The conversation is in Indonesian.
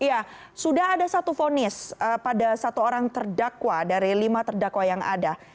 ya sudah ada satu fonis pada satu orang terdakwa dari lima terdakwa yang ada